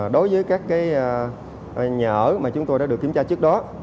đối với các nhà ở mà chúng tôi đã được kiểm tra trước đó